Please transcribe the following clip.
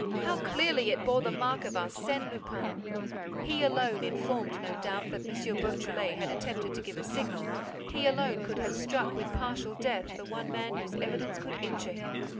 How clearly it bore the mark of Arsène Lupin! He alone, informed, no doubt, that M. Beautrelet had attempted to give a signal, he alone could have struck with partial death the one man whose evidence could injure him.